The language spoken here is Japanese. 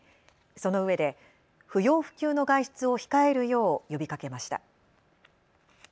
そのうえで不要不急の外出を控えるよう呼びかけました。